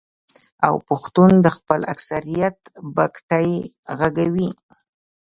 او پښتون د خپل اکثريت بګتۍ ږغوي.